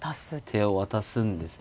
手を渡すんですね。